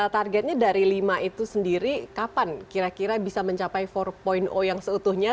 targetnya dari lima itu sendiri kapan kira kira bisa mencapai empat yang seutuhnya